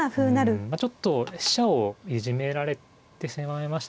うんまあちょっと飛車をいじめられてしまいましたかね。